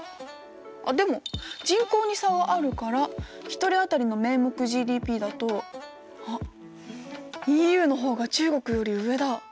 あっでも人口に差はあるから１人当たりの名目ＧＤＰだとあっＥＵの方が中国より上だ！